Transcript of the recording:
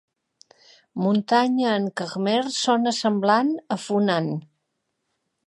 "Muntanya" en khmer sona semblant a "Funan".